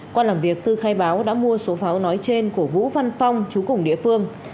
qua làm việc tư khai báo đã mua số pháo nói trên của vũ văn phong chú cùng địa phương